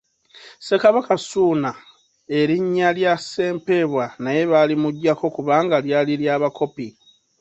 Ssekabaka Ssuuna erinna lya Ssempeebwa naye baalimuggyako kubanga lyali lya bakopi.